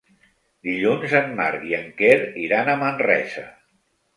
Dilluns en Marc i en Quer iran a Manresa.